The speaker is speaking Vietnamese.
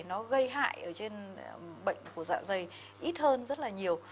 nó gây hại ở trên bệnh của dạ dày ít hơn rất là nhiều